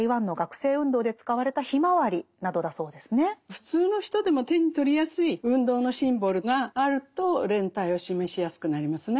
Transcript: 普通の人でも手に取りやすい運動のシンボルがあると連帯を示しやすくなりますね。